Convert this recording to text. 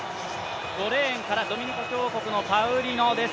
５レーンからドミニカ共和国のパウリノです。